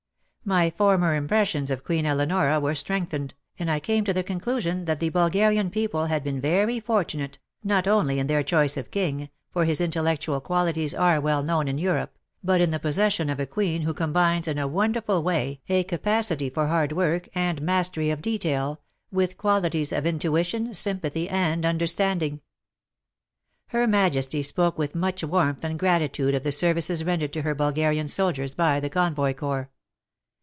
My former impressions of Queen Eleonora were strengthened, and I came to the conclusion that the Bulgarian people had been very fortunate, not only in their choice of King, for his intellectual qualities are well known in Europe, but in the possession of a Queen who combines in a wonderful way a capacity for •07 208 WAR AND WOMEN hard work and mastery of detail, with qual ities of intuition, sympathy, and understanding. Her Majesty spoke with much warmth and gratitude of the services rendered to her Bulgarian soldiers by the Convoy Corps.